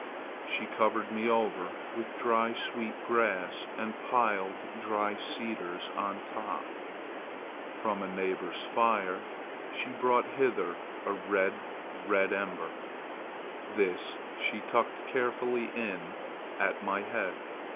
She covered me over with dry sweet grass and piled dry cedars on top. From a neighbor's fire she brought hither a red, red ember. This she tucked carefully in at my head.